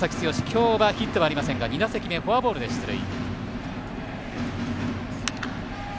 今日はヒットはありませんが２打席目、フォアボールで出塁。